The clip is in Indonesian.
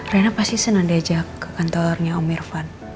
rena pasti senang diajak ke kantornya om irfan